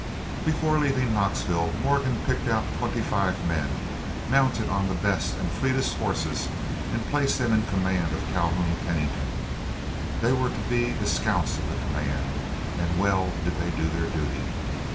Before leaving Knoxville Morgan picked out twenty five men, mounted on the best and fleetest horses, and placed them in the command of Calhoun Pennington. They were to be the scouts of the command, and well did they do their duty.